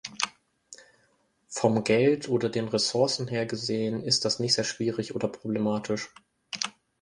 Vom Geld oder den Ressourcen her gesehen ist das nicht sehr schwierig oder problematisch.